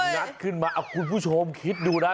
งัดขึ้นมาคุณผู้ชมคิดดูนะ